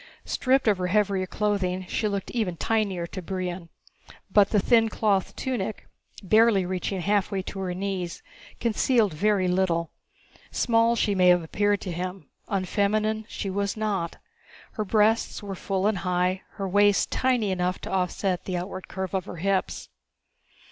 Stripped of her heavier clothing, she looked even tinier to Brion. But the thin cloth tunic reaching barely halfway to her knees concealed very little. Small she may have appeared to him: unfeminine she was not. Her breasts were full and high, her waist tiny enough to offset the outward curve of her hips.